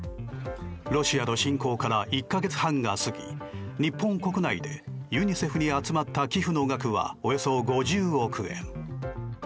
ロシアの侵攻から１か月半が過ぎ日本国内でユニセフに集まった寄付の額は、およそ５０億円。